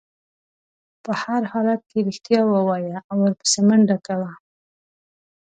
په هر حالت کې رښتیا ووایه او ورپسې منډه کوه.